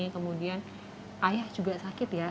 kemudian ayah juga sakit ya